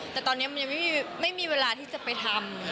แต่ตอนนี้มันยังไม่มีเวลาที่จะไปทำ